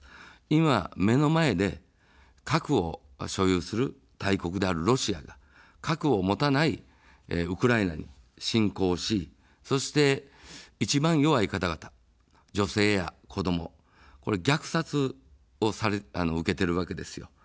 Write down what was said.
今、目の前で核を所有する大国であるロシアが核を持たないウクライナに侵攻をし、そして、一番弱い方々、女性や子ども、虐殺を受けているわけですよ。